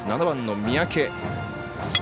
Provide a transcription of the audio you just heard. ７番の三宅。